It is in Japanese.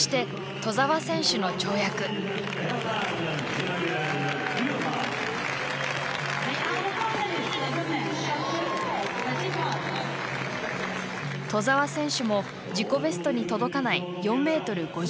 兎澤選手も自己ベストに届かない４ｍ５９ｃｍでした。